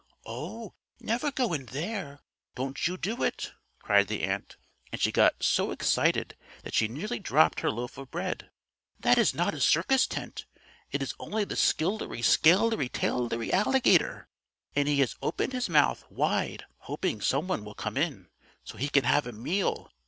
"Oh, never go in there don't you do it!" cried the ant, and she got so excited that she nearly dropped her loaf of bread. "That is not a circus tent; it is only the skillery scalery tailery alligator, and he has opened his mouth wide hoping some one will come in, so he can have a meal.